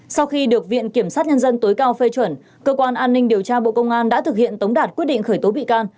sau khi được viện kiểm sát nhân dân tối cao phê chuẩn cơ quan an ninh điều tra bộ công an đã thực hiện tống đạt quyết định khởi tố bị can